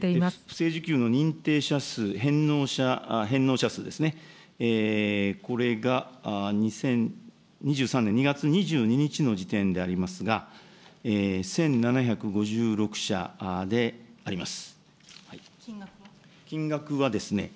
不正受給の認定者数、返納者数ですね、これが２０２３年２月２２日の時点でありますが、１７５６しゃであります。